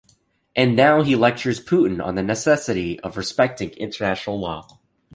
And now he lectures Putin on the necessity of 'respecting international law'.